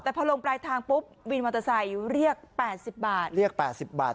แต่พอลงปลายทางปุ๊บวินมอเตอร์ไซค์เรียก๘๐บาท